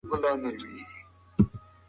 تاسو خپله پوهه په عملي ډګر کې وکاروئ.